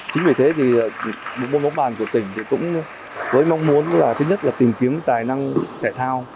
chính vì thế thì bộ môn bóng bàn của tỉnh cũng với mong muốn là tìm kiếm tài năng thể thao